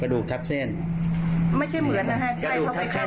กระดูกทับเส้นมันแล้ว